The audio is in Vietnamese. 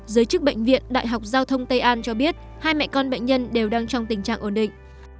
giới chức bệnh viện đại học giao thông tây an cho biết hai mẹ con bệnh nhân đều đang trong tình trạng ổn định